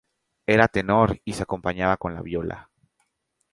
Era tenor y se acompañaba con la viola.